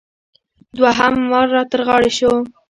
دوهم وار را تر غاړې شو.